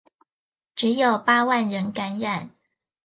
只有八萬人感染